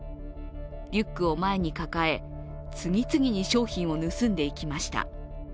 リュックを前に抱え、次々に商品を盗んでいきました。